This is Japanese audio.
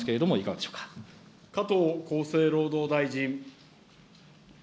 ま加藤厚生労働大臣。